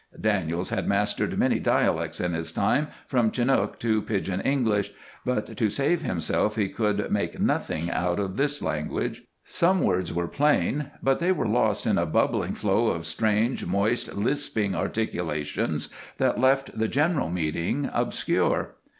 Daniels had mastered many dialects in his time, from Chinook to Pidgin English, but to save himself he could make nothing out of this language. Some words were plain, but they were lost in a bubbling flow of strange, moist, lisping articulations that left the general meaning obscure.